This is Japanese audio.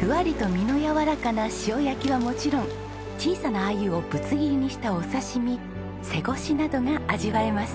ふわりと身のやわらかな塩焼きはもちろん小さなアユをぶつ切りにしたお刺し身背ごしなどが味わえます。